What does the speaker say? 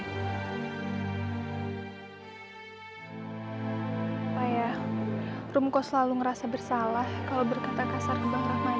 apa ya rum kau selalu ngerasa bersalah kalau berkata kasar ke bang rahmadi